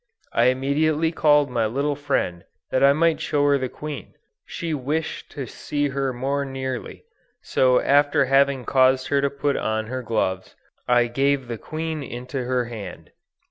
I immediately called my little friend that I might show her the queen; she wished to see her more nearly, so after having caused her to put on her gloves, I gave the queen into her hand.